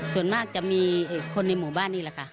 ส่วนมากจะมีคนในหมู่บ้านนี่แหละค่ะ